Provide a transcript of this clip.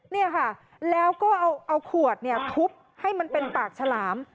เนี่ยค่ะแล้วก็เอาขวดเนี่ยทุบให้มันเป็นปากฉลาม